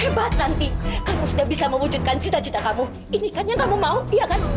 kamu hebat hebat nanti kamu sudah bisa mewujudkan cita cita kamu ini kan yang kamu mau ya kan